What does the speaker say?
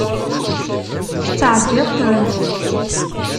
Tettɛebbiḍ trennuḍ.